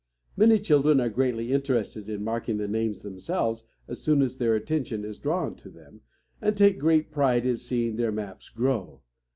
Many children are greatly interested in marking the names themselves as soon as their attention is drawn to them, and take great pride in seeing their maps grow.